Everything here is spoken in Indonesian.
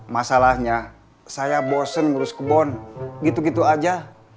masalahnya saya bosen ngurus kebon gitu gitu aja